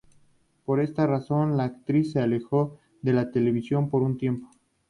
Por esa razón, la actriz se alejó de la televisión por un tiempo.